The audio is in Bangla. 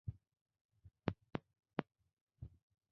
খালি কলসি বাঁজে বেশি।